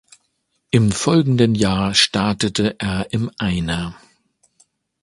Im folgenden Jahr startete er im Einer.